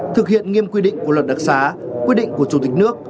thực hiện nghiêm quy định của luật đặc giá quy định của chủ tịch nước